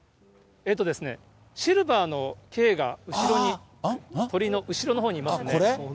シルバーの軽が後ろに、鳥の後ろのほうにいますね。